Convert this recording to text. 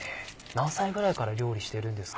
何歳ぐらいから料理してるんですか？